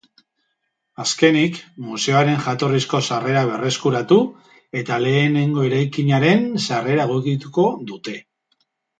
Azkenik, museoaren jatorrizko sarrera berreskuratu, eta lehenengo eraikinaren sarrera egokituko dute.